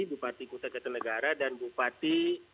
bupati kusaka tenggara dan bupati